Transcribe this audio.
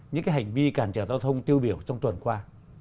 những hành vi cản trở giao thông tiêu biểu trong tuần qua